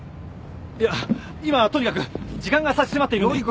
いや今はとにかく時間が差し迫っているんで。